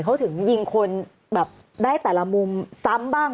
เขาถึงยิงคนแบบได้แต่ละมุมซ้ำบ้าง